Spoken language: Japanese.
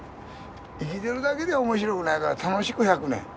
生きてるだけでは面白くないから楽しく１００年。